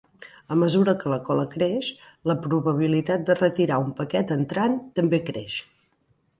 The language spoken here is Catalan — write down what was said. A mesura que la cola creix, la probabilitat de retirar un paquet entrant també creix.